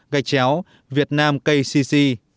gạch chéo việt nam kcc